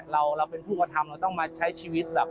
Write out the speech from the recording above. เราเป็นผู้กระทำเราต้องมาใช้ชีวิตแบบ